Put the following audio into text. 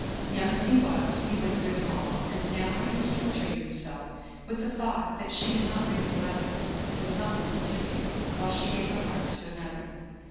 Young as he was he went through them all, and now he was torturing himself with the thought that she did not really love him and was only pretending, while she gave her heart to another.